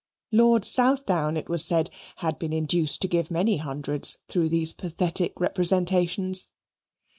Lord Southdown, it was said, had been induced to give many hundreds through these pathetic representations.